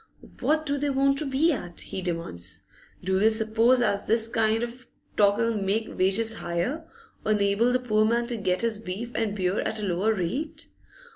What do they want to be at? he demands. Do they suppose as this kind of talk 'll make wages higher, or enable the poor man to get his beef and beer at a lower rate?